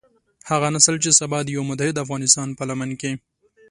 هغه نسل چې سبا د يوه متحد افغانستان په لمن کې.